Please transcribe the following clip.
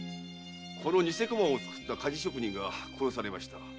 この偽小判を作った鍛冶職人が殺されました。